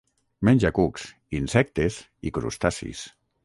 Menja cucs, insectes i crustacis.